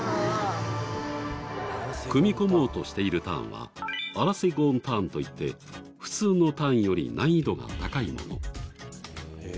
組み込もうとしているターンはアラセゴンターンといって普通のターンより難易度が高いもの。